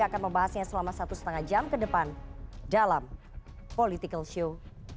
akan membahasnya selama satu lima jam ke depan dalam political show